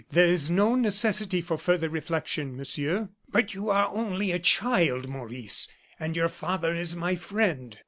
"There is no necessity for further reflection, Monsieur." "But you are only a child, Maurice; and your father is my friend."